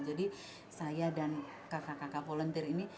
jadi saya dan kakak kakak volunteer ini